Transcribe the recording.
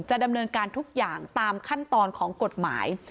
ดำเนินการทุกอย่างตามขั้นตอนของกฎหมาย